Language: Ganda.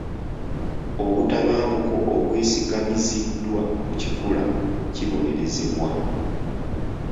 Obutabanguko obwesigamiziddwa ku kikula kibonerezebwa.